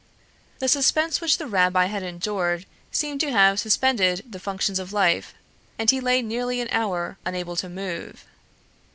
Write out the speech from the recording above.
The suspense which the rabbi had endured seemed to have suspended the functions of life, and he lay nearly an hour unable to move.